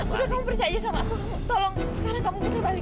udah kamu percaya sama kamu tolong sekarang kamu bisa balik